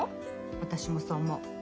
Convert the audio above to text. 私もそう思う。